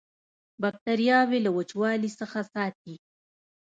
باکتریاوې له وچوالي څخه ساتي.